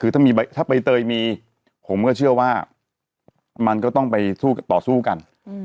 คือถ้าใบเตยมีผมก็เชื่อว่ามันก็ต้องไปต่อสู้กัน